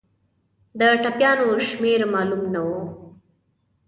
د ټپیانو شمېر معلوم نه وو.